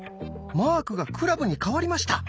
マークがクラブに変わりました。